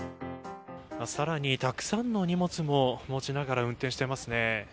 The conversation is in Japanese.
さらに、たくさんの荷物も持ちながら運転していますね。